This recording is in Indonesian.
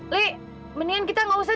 le mendingan kita gak usah